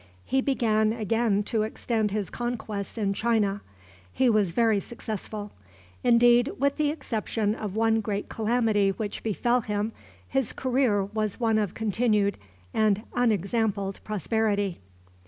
He began again to extend his conquests in China. He was very successful. Indeed, with the exception of one great calamity which befell him, his career was one of continued and unexampled prosperity.